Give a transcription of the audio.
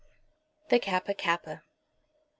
THE KAPPA KAPPA. Mrs.